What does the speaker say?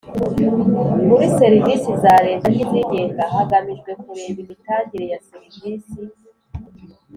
muri Serivisi za Leta n Izigenga hagamijwe kureba imitangire ya serivisi